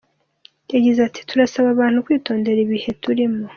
Yagize ati “Turasaba abantu kwitondera ibihe turimo .